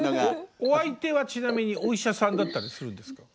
お相手はちなみにお医者さんだったりするんですか？